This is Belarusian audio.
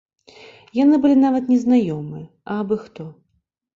Яны былі нават не знаёмыя, а абы-хто.